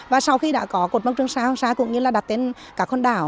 và sau khi đã có cột mốc trường xa hoàng xa cũng như là đặt tên các quần đảo